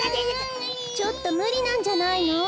ちょっとむりなんじゃないの。